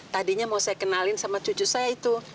tadinya mau saya kenalin sama cucu saya itu